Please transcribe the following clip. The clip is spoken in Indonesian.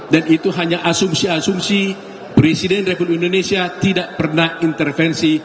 dan itu hanya asumsi asumsi presiden republik indonesia tidak pernah intervensi